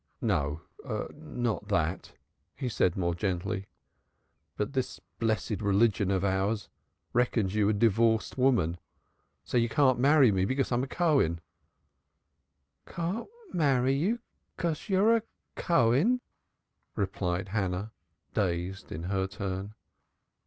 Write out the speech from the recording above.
"No, not that," he said more gently. "But this blessed religion of ours reckons you a divorced woman, and so you can't marry me because I'm a Cohen." "Can't marry you because you're a Cohen!" repeated Hannah, dazed in her turn.